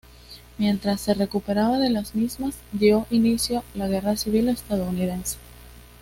Mientras se recuperaba de las mismas, dio inicio la Guerra Civil Estadounidense.